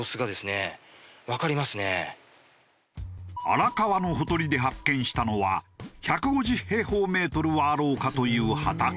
荒川のほとりで発見したのは１５０平方メートルはあろうかという畑。